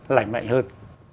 lành mạnh hơn